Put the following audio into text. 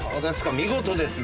見事ですね